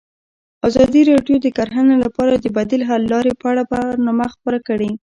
ازادي راډیو د کرهنه لپاره د بدیل حل لارې په اړه برنامه خپاره کړې.